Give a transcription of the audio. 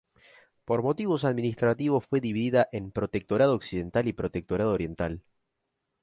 Por motivos administrativos fue dividida en Protectorado Occidental y Protectorado Oriental.